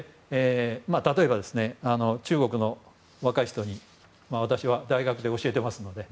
例えば、中国の若い人に私は大学で教えていますので。